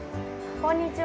こんにちは。